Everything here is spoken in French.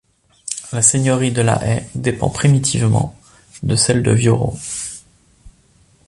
La seigneurie de la Haie dépend primitivement de celle de Vioreau.